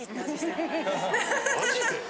マジで？